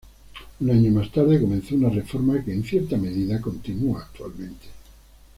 Un año más tarde comenzó una reforma que, en cierta medida, continúa actualmente.